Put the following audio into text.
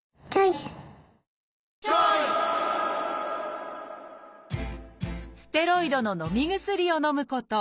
ステロイドののみ薬をのむこと。